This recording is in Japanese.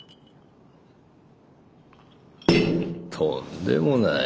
とんでもない。